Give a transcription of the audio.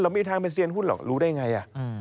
เราไม่ได้ทางเป็นเซียนหุ้นหรอกรู้ได้อย่างไร